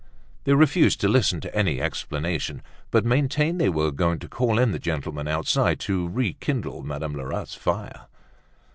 They refused to listen to any explanation, but maintained they were going to call in the gentleman outside to rekindle Madame Lerat's fire.